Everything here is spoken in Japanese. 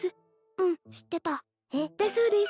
うん知ってただそうです